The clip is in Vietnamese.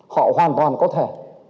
họ hoàn toàn có thể